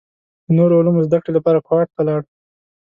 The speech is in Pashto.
د نورو علومو زده کړې لپاره کوهاټ ته لاړ.